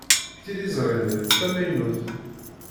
Tiliẓri-nni d tamaynut.